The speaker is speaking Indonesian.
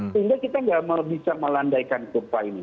sehingga kita tidak bisa melandaikan kurva ini